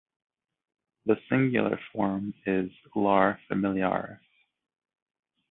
The singular form is "Lar Familiaris".